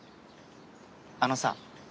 あのさ